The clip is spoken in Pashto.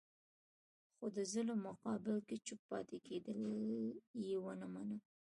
خو د ظلم مقابل کې چوپ پاتې کېدل یې ونه منل.